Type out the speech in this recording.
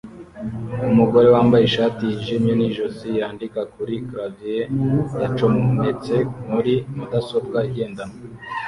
Umugore wambaye ishati yijimye nijosi yandika kuri clavier yacometse muri mudasobwa igendanwa